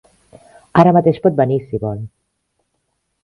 Ara mateix pot venir, si vol.